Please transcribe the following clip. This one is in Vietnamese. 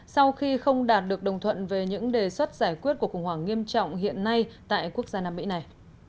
sau khi không đạt được đồng thuận về những đề xuất giải quyết cuộc khủng hoảng nghiêm trọng hiện nay tại quốc gia nam mỹ này